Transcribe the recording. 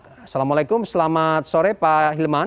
assalamualaikum selamat sore pak hilman